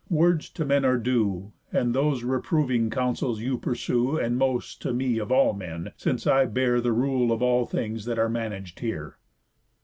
Words to men are due, And those reproving counsels you pursue, And most to me of all men, since I bear The rule of all things that are manag'd here."